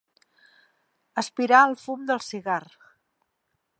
Aspirar el fum del cigar.